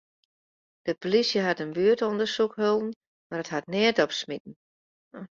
De polysje hat in buertûndersyk hâlden, mar dat hat neat opsmiten.